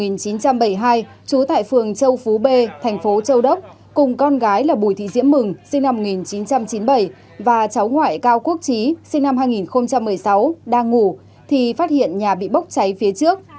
trong lúc bà võ thị nga sinh năm một nghìn chín trăm bảy mươi hai trú tại phường châu phú b thành phố châu đốc cùng con gái là bùi thị diễm mừng sinh năm một nghìn chín trăm chín mươi bảy và cháu ngoại cao quốc trí sinh năm hai nghìn một mươi sáu đang ngủ thì phát hiện nhà bị bốc cháy phía trước